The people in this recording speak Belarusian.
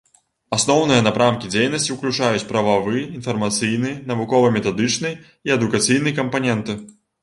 Асноўныя напрамкі дзейнасці ўключаюць прававы, інфармацыйны, навукова-метадычны і адукацыйны кампаненты.